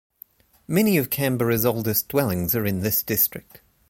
Many of Canberra's oldest dwellings are in this district.